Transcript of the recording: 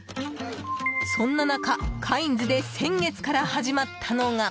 そんな中、カインズで先月から始まったのが。